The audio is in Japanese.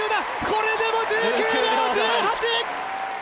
これでも１９秒１８！